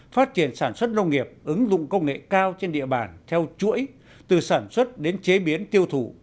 phát triển sản xuất nông nghiệp ứng dụng công nghệ cao trên địa bàn theo chuỗi từ sản xuất đến chế biến tiêu thụ